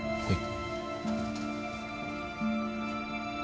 はい。